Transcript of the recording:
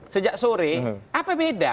sejak sore apa beda